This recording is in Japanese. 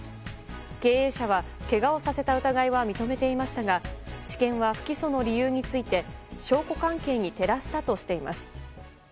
経営者は、けがをさせた疑いは認めていましたが地検は不起訴の理由について証拠関係に照らしたとしています。